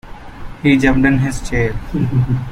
He jumped in his chair.